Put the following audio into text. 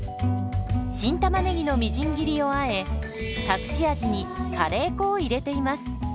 新たまねぎのみじん切りをあえ隠し味にカレー粉を入れています。